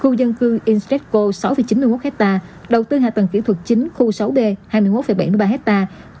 khu dân cư intressco sáu chín mươi một hectare đầu tư hạ tầng kỹ thuật chính khu sáu b hai mươi một bảy mươi ba hectare